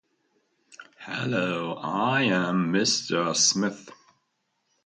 The toddler years are a time of great cognitive, emotional and social development.